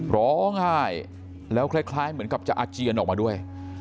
ร้องไห้แล้วคล้ายเหมือนกับจะอาเจียนออกมาด้วย